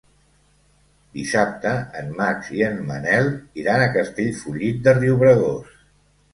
Dissabte en Max i en Manel iran a Castellfollit de Riubregós.